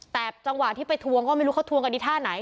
แต่จังหวะที่ไปทวงก็ไม่รู้เขาทวงกันที่ท่าไหน